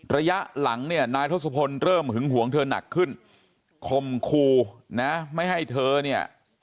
ระยะหลังเนี่ยนายทศพลเริ่มหึงหวงเธอหนักขึ้นคมคูนะไม่ให้เธอเนี่ย